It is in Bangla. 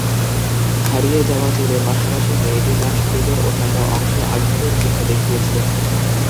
হারিয়ে যাওয়া চুলের পাশাপাশি মেয়েটি তার শরীরের অন্যান্য অংশে আঘাতের চিহ্ন দেখিয়েছে।